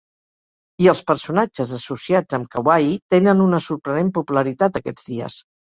I els personatges associats amb Kawaii tenen una sorprenent popularitat aquests dies.